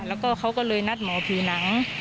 แล้วก็เขาก็เลยนัดหมอผีหนัง